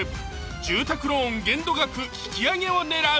住宅ローン限度額引き上げをねらう！